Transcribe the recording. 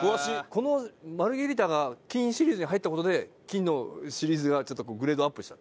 このマルゲリータが金シリーズに入った事で金のシリーズがちょっとグレードアップした。